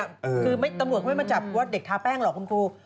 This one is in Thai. คือตำรวจเขาไม่มาจับว่าเด็กทาแป้งหรอกคุณครู